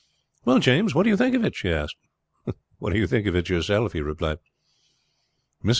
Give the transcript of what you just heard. "Well, James, what do you think of it?" she asked. "What do you think of it yourself?" he replied. Mrs.